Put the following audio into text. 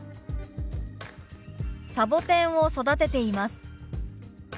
「サボテンを育てています」。